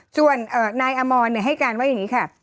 ส่วนนายอมรให้การว่าอย่างนี้ค่ะ